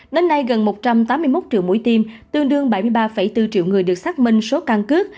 đến nay gần một trăm tám mươi một triệu mũi tiêm tương đương bảy mươi ba bốn triệu người được xác minh số căn cước